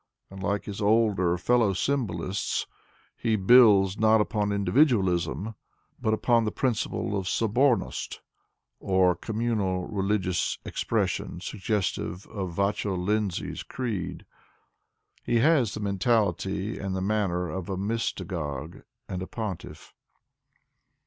Unlike his older fellow symbolists, he builds not upon individ ualism, but upon the principle of sohornost, or communal reli gious expression suggestive of Vachel Lindsay's creed. He has the mentality and the manner of a mystagogue and a pontiff.